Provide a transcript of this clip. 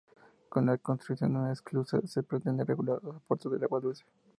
Con la construcción de una esclusa se pretende regular los aportes de agua dulce.